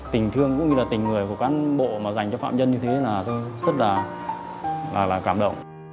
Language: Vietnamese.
tình thương cũng như là tình người của cán bộ mà dành cho phạm nhân như thế là tôi rất là cảm động